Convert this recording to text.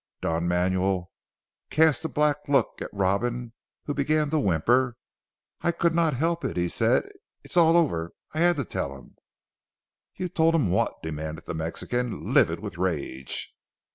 Don Manuel cast a black look at Robin who began to 'whimper. "I could not help it," he said, "it's all over. I had to tell him." "You told him what?" demanded the Mexican livid with rage.